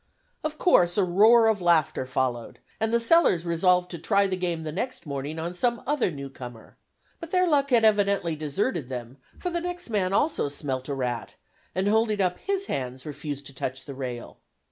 Of course a roar of laughter followed, and the 'sellers' resolved to try the game the next morning on some other new comer; but their luck had evidently deserted them, for the next man also 'smelt a rat,' and holding up his hands refused to touch the rail.